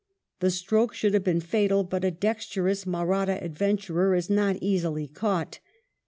The stroke should have been fatal, but a dexterous Mahratta adventurer is not easily caught.